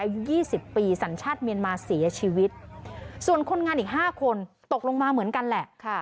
อายุ๒๐ปีสัญชาติเมียนมาเสียชีวิตส่วนคนงานอีกห้าคนตกลงมาเหมือนกันแหละค่ะ